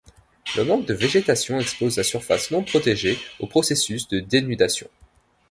Le manque de végétation expose la surface non protégée au processus de dénudation.